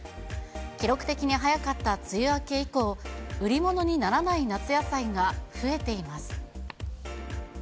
記録的に早かった梅雨明け以降、売り物にならない夏野菜が増えています。